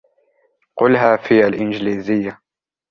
قُلها فى الإنجليزية.